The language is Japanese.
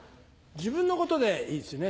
自分のことでいいですね。